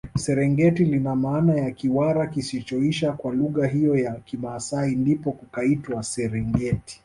Serengiti lina maana ya Kiwara kisichoisha kwa lugha hiyo ya kimasai ndipo kukaitwa serengeti